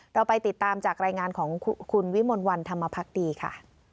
เราไปติดตามจากรายงานของคุณวิมลวันธรรมพักดีค่ะ